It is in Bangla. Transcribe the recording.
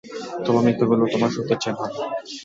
তোমার মিথ্যাগুলো, তোমার সত্যের চেয়েও ভাল।